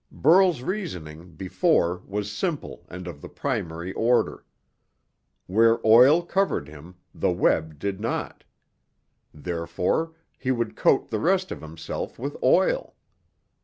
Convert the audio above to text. Burl's reasoning, before, was simple and of the primary order. Where oil covered him, the web did not. Therefore he would coat the rest of himself with oil.